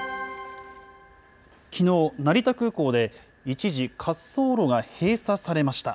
きのう、成田空港で一時、滑走路が閉鎖されました。